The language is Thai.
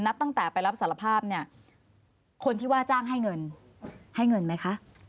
ตั้งแต่ไปรับสารภาพเนี่ยคนที่ว่าจ้างให้เงินให้เงินไหมคะ